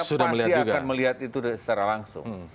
kita pasti akan melihat itu secara langsung